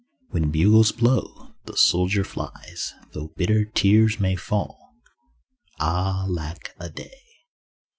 When bugles blow the soldier flies— Though bitter tears may fall (Ah, lack a day).